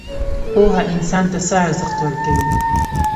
پوهه انسان ته څه ارزښت ورکوي؟